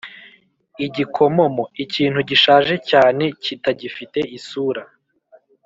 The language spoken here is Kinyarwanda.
igikomomo: ikintu gishaje cyane kitagifite isura